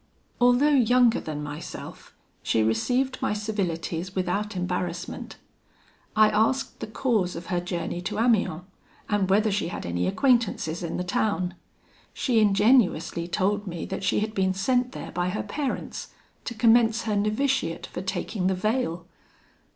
"Although younger than myself, she received my civilities without embarrassment. I asked the cause of her journey to Amiens, and whether she had any acquaintances in the town. She ingenuously told me that she had been sent there by her parents, to commence her novitiate for taking the veil.